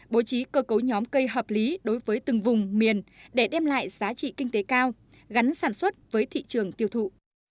bố trí cơ cấu nhóm cây hợp lý đối với từng vùng miền để đem lại giá trị kinh tế cao gắn sản xuất với thị trường tiêu thụ